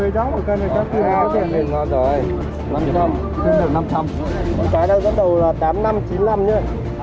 cá này có đầu là tám năm chín năm nhé